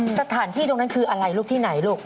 สถานที่ตรงนั้นคืออะไรลูกที่ไหนลูก